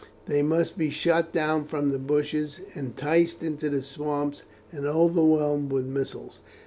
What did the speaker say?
They must be shot down from the bushes, enticed into swamps, and overwhelmed with missiles.